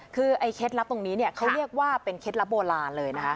คือเคล็ดลับตรงนี้เขาเรียกว่าเป็นเคล็ดลับโบราณเลยนะคะ